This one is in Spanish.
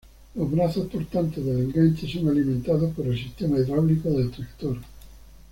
Los brazos portantes del enganche son alimentados por el sistema hidráulico del tractor.